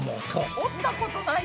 折ったことないよ。